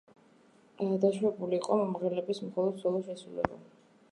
დაშვებული იყო მომღერლების მხოლოდ სოლო შესრულება.